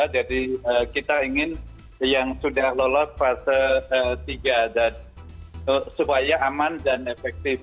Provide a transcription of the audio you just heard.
jadi kita ingin yang sudah lolos fase tiga supaya aman dan efektif